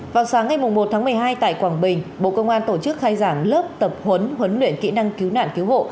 vào sáng ngày một tháng một mươi hai tại quảng bình bộ công an tổ chức khai giảng lớp tập huấn huấn luyện kỹ năng cứu nạn cứu hộ